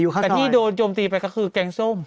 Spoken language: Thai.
แต่ที่โดนโจมตีไปก็คือแกงส้ม